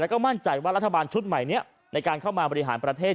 แล้วก็มั่นใจว่ารัฐบาลชุดใหม่นี้ในการเข้ามาบริหารประเทศ